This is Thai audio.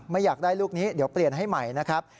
อยากได้ลูกนี้เดี๋ยวเปลี่ยนให้ใหม่นะครับ